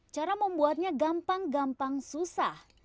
cara membuatnya gampang gampang susah